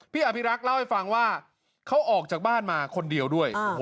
อภิรักษ์เล่าให้ฟังว่าเขาออกจากบ้านมาคนเดียวด้วย